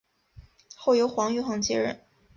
后由黄玉衡接任。